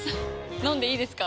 飲んでいいですか？